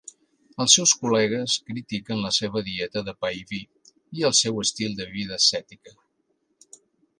Els seus col·legues critiquen la seva dieta de pa i vi, i el seu estil de vida ascètica.